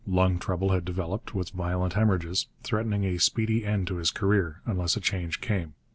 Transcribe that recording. Lung trouble had developed, with violent hemorrhages, threatening a speedy end to his career unless a change came.